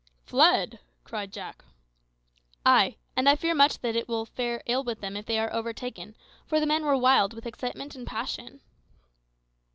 "Fled!" cried Jack. "Ay; and I fear much that it will fare ill with them if they are overtaken, for the men were wild with excitement and passion."